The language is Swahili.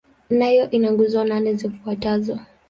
Nayo ina nguzo nane zifuatazo.